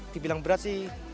dibilang berat sih